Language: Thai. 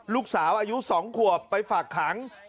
ลูกสาวอายุ๒ขวบไปฝากขัง